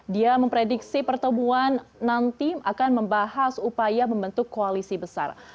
dia memprediksi pertemuan nanti akan membahas upaya membentuk koalisi besar